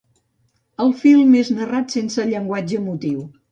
El film és narrat sense llenguatge emotiu.